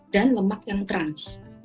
dan lemak yang trans